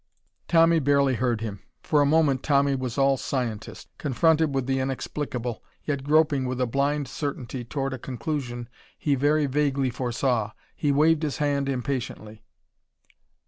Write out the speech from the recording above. Tommy barely heard him. For a moment, Tommy was all scientist, confronted with the inexplicable, yet groping with a blind certainty toward a conclusion he very vaguely foresaw. He waved his hand impatiently....